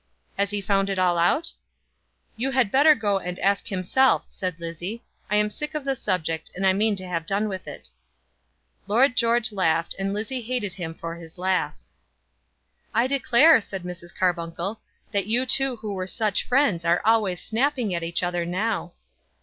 "Has he found it all out?" "You had better go and ask himself," said Lizzie. "I am sick of the subject, and I mean to have done with it." Lord George laughed, and Lizzie hated him for his laugh. "I declare," said Mrs. Carbuncle, "that you two who were such friends are always snapping at each other now."